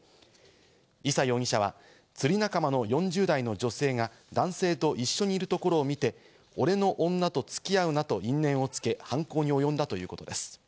伊佐容疑者は釣り仲間の４０代の女性が男性と一緒にいるところを見て、俺の女と付き合うなと因縁をつけ、犯行におよんだということです。